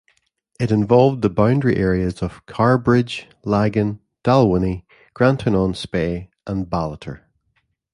It involved the boundary areas of Carrbridge, Laggan, Dalwhinnie, Grantown-on-Spey and Ballater.